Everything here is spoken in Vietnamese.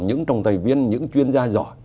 những trọng tài viên những chuyên gia giỏi